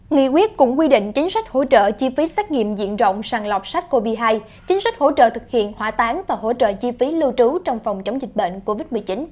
nghị quyết cũng quy định chính sách hỗ trợ chi phí xét nghiệm diện rộng sàn lọc sách covid một mươi chín chính sách hỗ trợ thực hiện hỏa tán và hỗ trợ chi phí lưu trú trong phòng chống dịch bệnh covid một mươi chín